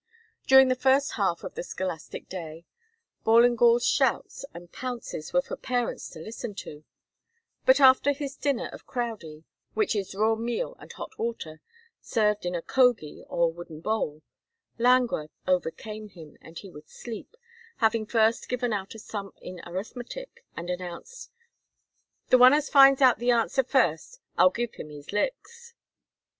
During the first half of the scholastic day Ballingall's shouts and pounces were for parents to listen to, but after his dinner of crowdy, which is raw meal and hot water, served in a cogie, or wooden bowl, languor overcame him and he would sleep, having first given out a sum in arithmetic and announced: "The one as finds out the answer first, I'll give him his licks."